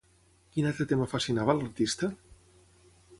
Quin altre tema fascinava a l'artista?